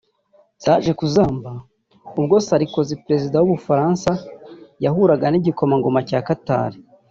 Byaje kuzamba ubwo Sarkozy perezida w’u Bufaransa yahuraga n’igikomangima cya Qatar